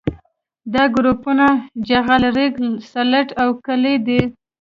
دا ګروپونه جغل ریګ سلټ او کلې دي